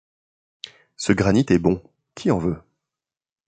Ce granit est bon, qui en veut ?